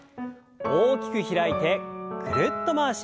大きく開いてぐるっと回します。